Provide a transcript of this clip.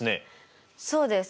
そうです。